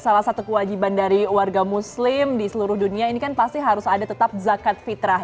salah satu kewajiban dari warga muslim di seluruh dunia ini kan pasti harus ada tetap zakat fitrah